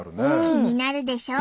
気になるでしょ？